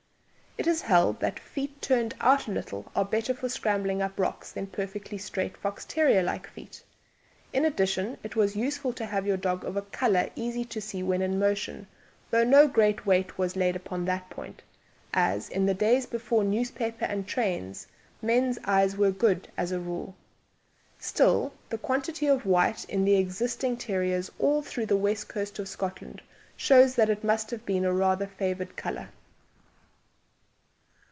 It is held that feet turned out a little are better for scrambling up rocks than perfectly straight Fox terrier like feet. In addition, it was useful to have your dog of a colour easy to see when in motion, though no great weight was laid upon that point, as in the days before newspapers and trains men's eyes were good, as a rule. Still, the quantity of white in the existing terriers all through the west coast of Scotland shows that it must have been rather a favoured colour.